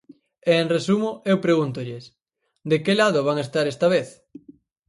E, en resumo, eu pregúntolles: ¿de que lado van estar esta vez?